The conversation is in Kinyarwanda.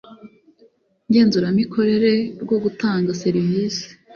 Ngenzuramikorere rwo gutanga serivisi